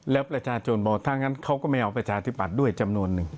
แล้วประชาชนบอกถ้างั้นเขาก็ไม่เอาประชาธิบัติด้วยจำนวนหนึ่ง